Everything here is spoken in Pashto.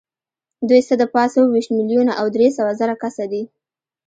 دوی څه د پاسه اووه ویشت میلیونه او درې سوه زره کسه دي.